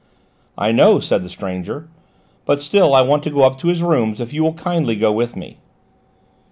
"I know," said the stranger, "but still I want to go up to his rooms if you will kindly go with me."